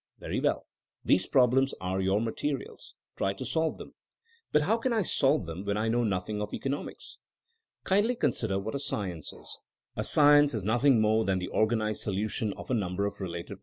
Very well. These problems are your materials. Try to solve them. But how can I solve them when I know noth ing of economics ?'* Kindly consider what a science is. A science is nothing more than the organized solution of a number of related problems.